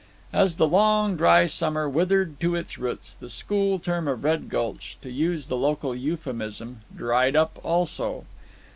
As the long, dry summer withered to its roots, the school term of Red Gulch to use a local euphuism "dried up" also.